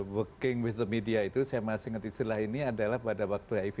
working with the media itu saya masih ingat istilah ini adalah pada waktu hiv